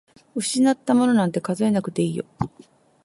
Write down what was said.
失ったものなんて数えなくていいよ。